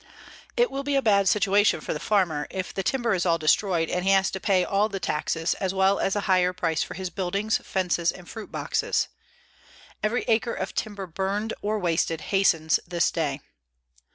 _It will be a bad situation for the farmer if the timber is all destroyed and he has to pay all the taxes, as well as a higher price for his buildings, fences and fruit boxes. Every acre of timber burned or wasted hastens this day.